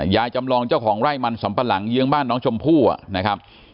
จำลองเจ้าของไร่มันสำปะหลังเยื้องบ้านน้องชมพู่นะครับ